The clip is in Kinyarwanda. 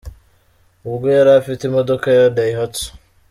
Ubwo yari afite imodoka ya Daihatsu.